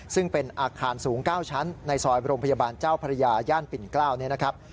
ซึ่งเป็นอาคารสูง๙ชั้นในซอยโรงพยาบาลเจ้าภรรยาย่านปิ่นเกล้า